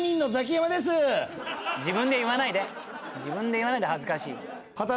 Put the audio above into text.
自分で言わないで。恥ずかしい。